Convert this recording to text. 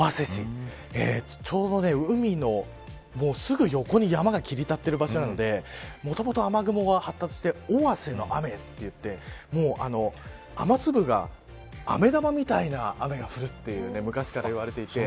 ちょうど海のすぐ横に山が切り立っている場所なのでもともと雨雲が発達して尾鷲の雨と言って雨粒があめ玉みたいな雨が降ると昔から言われていて。